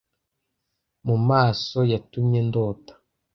mu maso yatumye ndota